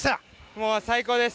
もう、最高です！